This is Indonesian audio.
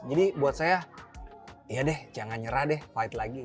jadi buat saya ya deh jangan nyerah deh fight lagi